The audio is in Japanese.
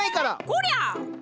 こりゃ！